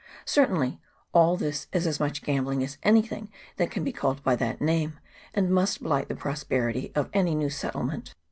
Certainly all this is as much gambling as anything that can be called by that name, and must blight the prosperity of any new settlement.